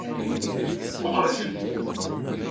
Meqqrit?